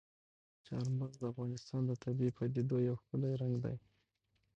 چار مغز د افغانستان د طبیعي پدیدو یو ښکلی رنګ دی.